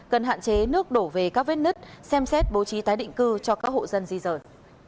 cần hạn chế nước đổ về các vết nứt xem xét bố trí tái định cư cho các hộ dân di rời